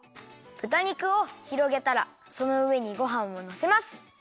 ぶた肉をひろげたらそのうえにごはんをのせます。